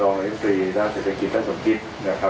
ท่านคำสือคารท่านเศรษฐกิจท่านสำคัญ